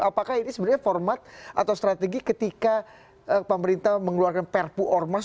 apakah ini sebenarnya format atau strategi ketika pemerintah mengeluarkan perpu ormas